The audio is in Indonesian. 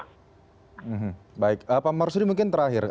hmm baik pak marsudi mungkin terakhir